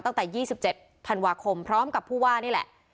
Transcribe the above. ตั้งแต่๒๗ธันวาคมพร้อมกับผู้ว่านี่แหละ